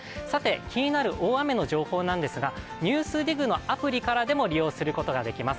気になる大雨の情報なんですが「ＮＥＷＳＤＩＧ」のアプリからでも利用することができます。